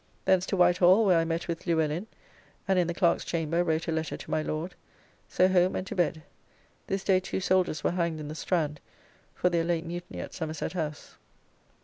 Thence to Whitehall, where I met with Luellin and in the clerk's chamber wrote a letter to my Lord. So home and to bed. This day two soldiers were hanged in the Strand for their late mutiny at Somerset house.